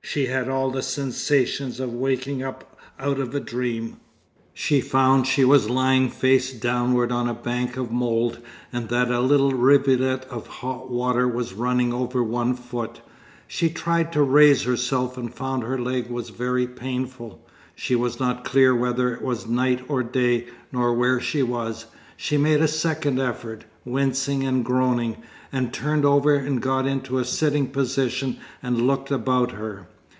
She had all the sensations of waking up out of a dream. She found she was lying face downward on a bank of mould and that a little rivulet of hot water was running over one foot. She tried to raise herself and found her leg was very painful. She was not clear whether it was night or day nor where she was; she made a second effort, wincing and groaning, and turned over and got into a sitting position and looked about her.